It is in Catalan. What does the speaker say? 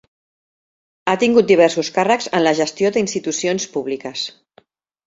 Ha tingut diversos càrrecs en la gestió d'institucions públiques.